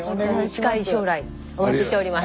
近い将来お待ちしております。